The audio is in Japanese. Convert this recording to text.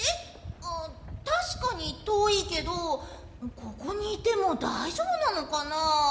あたしかにとおいけどここにいてもだいじょうぶなのかな？